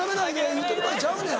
言うてる場合ちゃうねん。